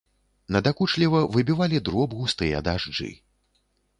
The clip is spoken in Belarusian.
Надакучліва выбівалі дроб густыя дажджы.